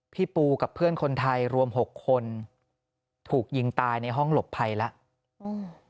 พี่ปูกับเพื่อนคนไทยรวมหกคนถูกยิงตายในห้องหลบภัยแล้วอืม